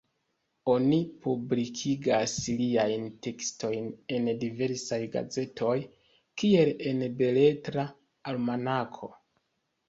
Oni publikigas liajn tekstojn en diversaj gazetoj, kiel en Beletra Almanako.